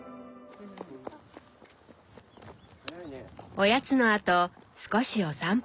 おやつのあと少しお散歩。